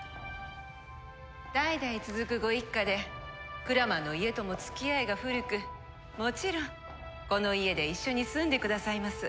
代々続くご一家で鞍馬の家とも付き合いが古くもちろんこの家で一緒に住んでくださいます。